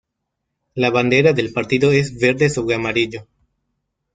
La bandera del partido es verde sobre amarillo.